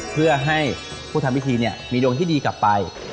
เพื่อให้ผู้ทำพิธีมีดวงที่ดีกลับไป